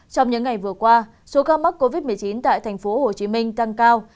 trong những ngày vừa qua số ca mắc covid một mươi chín tại tp hcm tăng cao